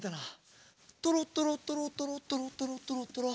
とろとろとろとろとろとろとろとろ。